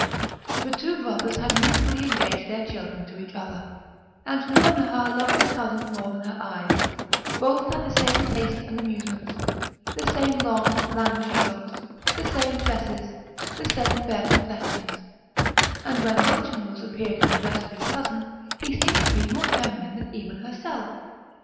The two brothers had mutually engaged their children to each other, and Nouronihar loved her cousin more than her eyes; both had the same tastes and amusements, the same long, languishing looks, the same tresses, the same fair complexions, and when Gulchenrouz appeared in the dress of his cousin he seemed to be more feminine than even herself.